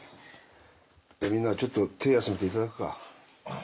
じゃみんなちょっと手休めていただくか。